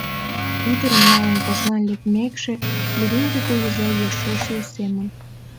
Ӱдырым налын посна лекмекше Левентей кугыза йӧршеш весемын.